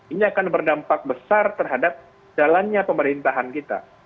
ini akan berdampak besar terhadap jalannya pemerintahan kita